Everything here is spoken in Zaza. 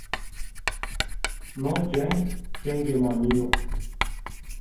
No ceng, cengê ma nîyo